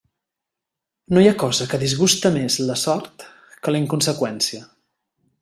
No hi ha cosa que disguste més la sort que la inconseqüència.